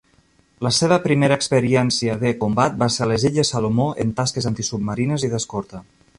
La seva primera experiència de combat va ser a les Illes Salomó en tasques antisubmarines i d'escorta.